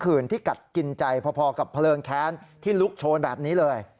คืนที่กัดกินใจพอกับเพลิงแค้นที่ลุกโชนแบบนี้เลย